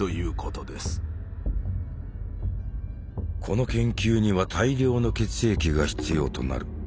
この研究には大量の血液が必要となる。